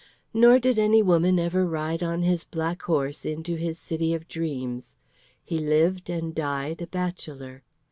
Nor did any woman ever ride on his black horse into his city of dreams. He lived and died a bachelor.